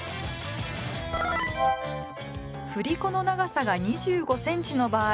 振り子の長さが２５ｃｍの場合